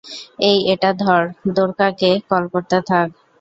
এই, এটা ধর দ্বোরকাকে কল করতে থাক।